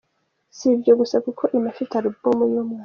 Si ibyo gusa kuko inafite ‘Album y’umwana’.